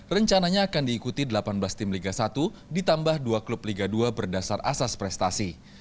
rencananya akan diikuti delapan belas tim liga satu ditambah dua klub liga dua berdasar asas prestasi